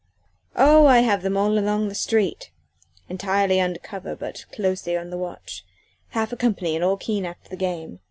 "Oh! I have them all along the street entirely under cover but closely on the watch half a company and all keen after the game.